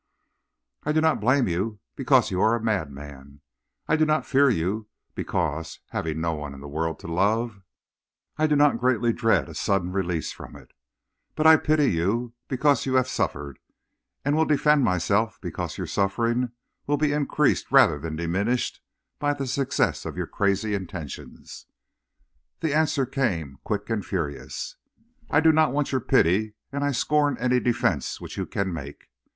"'I do not blame you, because you are a madman. I do not fear you, because, having no one in the world to love, I do not greatly dread a sudden release from it. But I pity you because you have suffered, and will defend myself because your sufferings will be increased rather than diminished by the success of your crazy intentions.' "The answer came, quick and furious: "'I do not want your pity, and I scorn any defense which you can make.